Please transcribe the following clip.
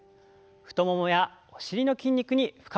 太ももやお尻の筋肉に負荷をかけていきます。